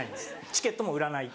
チケットも売らない。